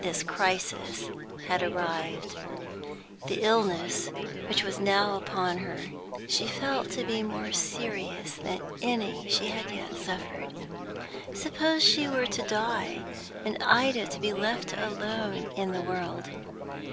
This crisis had arrived. The illness which was now upon her she felt to be more serious than any she had yet suffered. Suppose she were to die, and Ida to be left alone in the world.